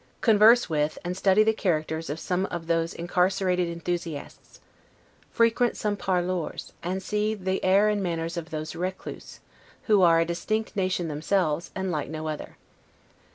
Converse with, and study the characters of some of those incarcerated enthusiasts. Frequent some 'parloirs', and see the air and manners of those Recluse, who are a distinct nation themselves, and like no other.